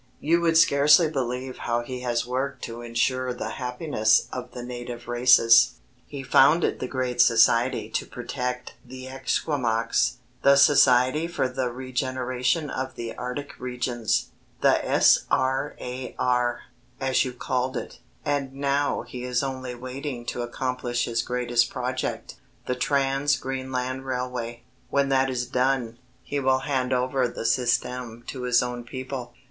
You would scarcely believe how he has worked to ensure the happiness of the native races. He founded the great society to protect the Esquimaux, the Society for the Regeneration of the Arctic Regions the S.R.A.R. as you called it, and now he is only waiting to accomplish his greatest project the Trans Greenland railway. When that is done, he will hand over the Système to his own people.